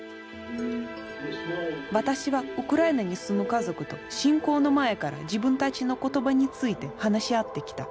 私はウクライナに住む家族と侵攻の前から自分たちの言葉について話し合ってきた。